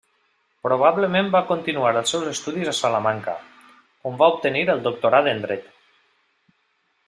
Probablement va continuar els seus estudis a Salamanca, on va obtenir el doctorat en Dret.